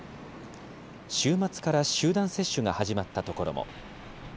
週末から集団接種が始まった所も。